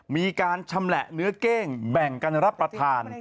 มีการชำแหละเนื้อเก้งแบ่งกันรับประทาน